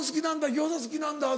「餃子好きなんだ」で。